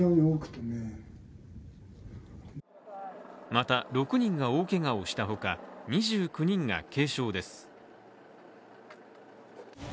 また６人が大けがをしたほか２９人が軽傷です。